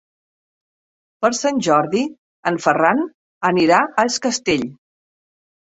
Per Sant Jordi en Ferran anirà a Es Castell.